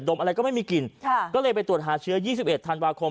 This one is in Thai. มอะไรก็ไม่มีกลิ่นก็เลยไปตรวจหาเชื้อ๒๑ธันวาคม